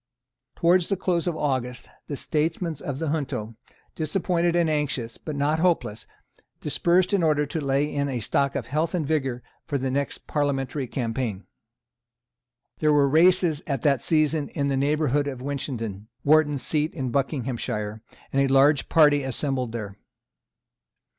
Towards the close of August the statesmen of the junto, disappointed and anxious but not hopeless, dispersed in order to lay in a stock of health and vigour for the next parliamentary campaign. There were races at that season in the neighbourhood of Winchenden, Wharton's seat in Buckinghamshire; and a large party assembled there.